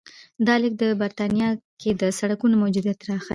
دا لیک په برېټانیا کې د سړکونو موجودیت راښيي